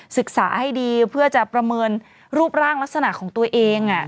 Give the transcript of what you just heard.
ศึกษาให้ดีเพื่อจะประเมินรูปร่างลักษณะของตัวเอง